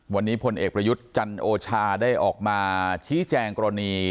วันนี้พลเอกประยุทธ์จันโอชาได้ออกมาชี้แจงกรณี